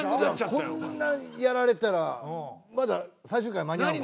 こんなやられたらまだ最終回間に合うもんね。